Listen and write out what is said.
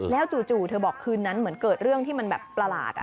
แล้วจู่เธอบอกคืนนั้นเหมือนเกิดเรื่องที่มันแบบประหลาด